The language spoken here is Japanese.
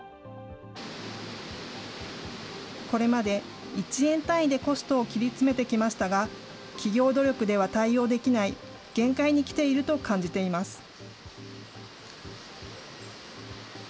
これまで１円単位でコストを切り詰めてきましたが、企業努力では対応できない限界に来ていると感じています。